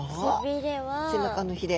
背中のひれ。